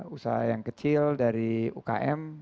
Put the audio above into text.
usaha yang kecil dari ukm